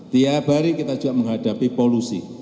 tiap hari kita juga menghadapi polusi